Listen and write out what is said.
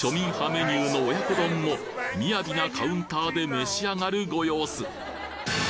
メニューの親子丼も雅なカウンターで召し上がるご様子